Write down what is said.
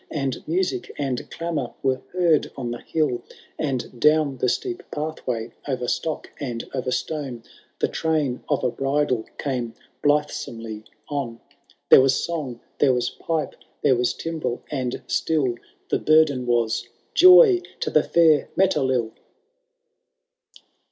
And music and clamour were heard on the hill. And down the steep pathway, o'er stock and o^er stone, The train of a bridal came blithesomely on ; 17G HAROLD TUS DAUNTLBS8. CatUo V. There was song, there was pipe, there was timbrel, a&d 8tiU The burden was, «< Joy to the &ir MeteliU !'' XII.